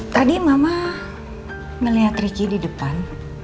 tadi mama melihat ricky di depan